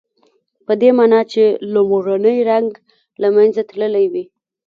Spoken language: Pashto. پدې معنی چې لومړنی رنګ له منځه تللی وي.